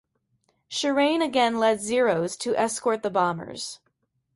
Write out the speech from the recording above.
Shirane again led Zeros to escort the bombers.